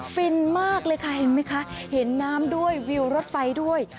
ฟินมากเลยค่ะเห็นไหมคะเห็นน้ำด้วยวิวรถไฟด้วย